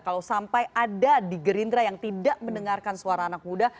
kalau sampai ada di gerindra yang tidak mendengarkan suara anak muda